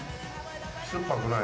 すっぱくない？